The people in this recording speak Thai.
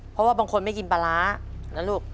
เพราะว่าบางคนไม่กินปลาร้านะลูก